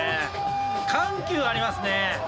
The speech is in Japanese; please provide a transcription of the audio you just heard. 緩急ありますね